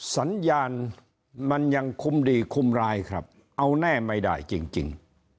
สัญญาณมันยังคุ้มดีคุ้มร้ายครับเอาแน่ไม่ได้จริง